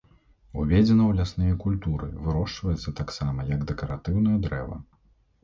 Уведзена ў лясныя культуры, вырошчваецца таксама як дэкаратыўнае дрэва.